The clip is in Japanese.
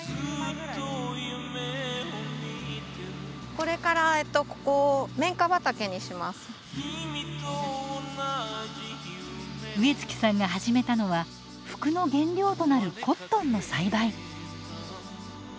これから植月さんが始めたのは服の原料となるコットンの栽培。